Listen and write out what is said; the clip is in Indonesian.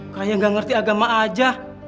kayak gak ngerti agama aja